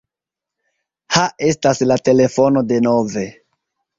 Ha estas la telefono denove.